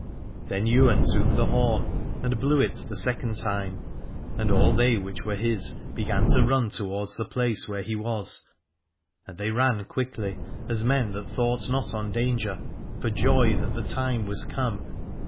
Then Ywain took the horn and blew it the 341 Aladore second time; and all they which were his began to run towards the place where he was, and they ran quickly, as men that thought not on danger, for joy that the time was come.